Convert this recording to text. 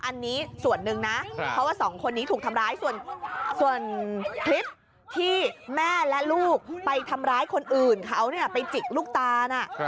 อันนี้ส่วนหนึ่งนะเพราะว่าสองคนนี้ถูกทำร้ายส่วนคลิปที่แม่และลูกไปทำร้ายคนอื่นเขาเนี่ยไปจิกลูกตานะ